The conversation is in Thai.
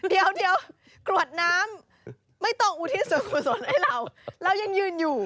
เดี๋ยวกรวดน้ำไม่ต้องอุทิศส่วนกุศลให้เราเรายังยืนอยู่